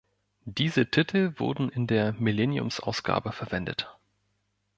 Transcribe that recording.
Diese Titel wurden in der „Millenniumsausgabe“ verwendet.